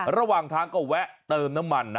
ระวังทางก็แวะเติมนมัน